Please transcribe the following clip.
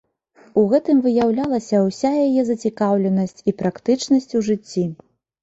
У гэтым выяўлялася ўся яе зацікаўленасць і практычнасць у жыцці.